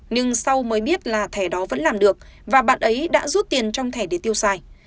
nhưng sau mới biết là thẻ đó vẫn làm được và bạn ấy đã rút tiền trong thẻ để tiêu xài